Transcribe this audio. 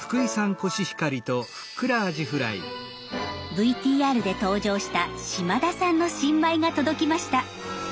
ＶＴＲで登場した嶋田さんの新米が届きました。